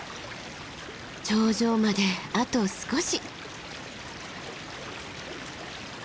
頂上まであと少し。